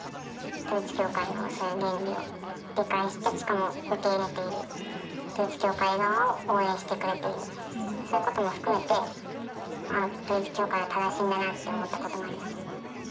統一教会の原理を理解して、しかも受け入れている、統一教会側を応援してくれている、そういうことも含めて、統一教会は正しいんだなって思ったこともありました。